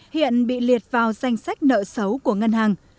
hiện bị liệt vào danh sách nợ xấu của ngân hàng